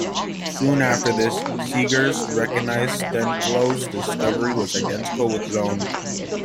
Soon after this, Seegers recognised Stenflo's discovery was identical with his own.